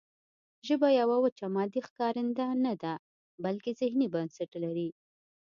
ژبه یوه وچه مادي ښکارنده نه ده بلکې ذهني بنسټ لري